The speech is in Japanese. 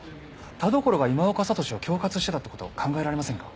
田所が今岡智司を恐喝してたって事考えられませんか？